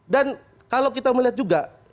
dan kalau kita melihat juga